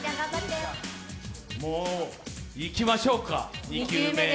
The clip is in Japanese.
もういきましょうか、２球目。